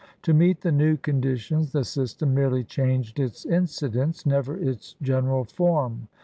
To meet the new conditions the system merely changed its incidents, never its general form.